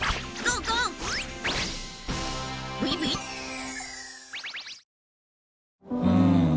うん。